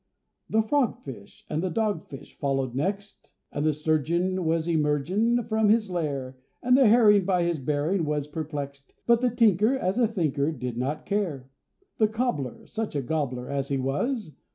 The Frog fish and the Dog fish followed next, And the Sturgeon was emergeon from his lair; And the Herring by his bearing was perplexed, But the Tinker, as a thinker, did not care. The Cobbler,—such a gobbler as he was!